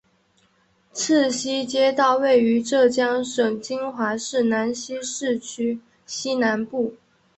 赤溪街道位于浙江省金华市兰溪市区西南部。